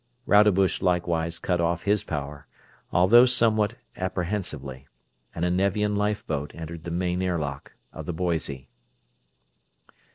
Rodebush likewise cut off his power, although somewhat apprehensively, and a Nevian lifeboat entered the main airlock of the Boise.